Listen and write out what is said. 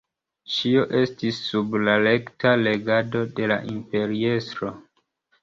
Ĉio estis sub la rekta regado de la imperiestro.